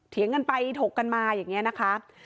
เถียงกันไปถกกันมาอย่างนี้นะคะ